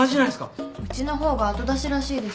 うちの方が後出しらしいです。